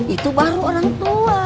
itu baru orang tua